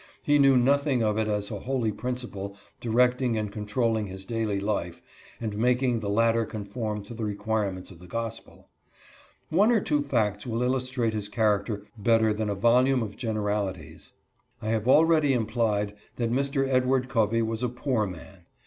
He knew nothing of it as a holy principle directing and controlling his daily life and making the latter conform to the require ments of the gospel. One or two facts will illustrate his character better than a volume of generalities. I have already implied that Mr. Edward Covey was a poor man.